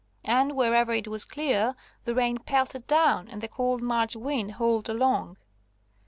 And wherever it was clear the rain pelted down and the cold March wind howled along.